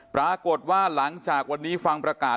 ปรากฏว่าหลังจากวันนี้ฟังประกาศ